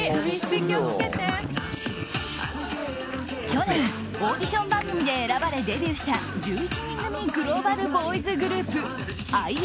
去年、オーディション番組で選ばれデビューした１１人組グローバルボーイズグループＩＮＩ。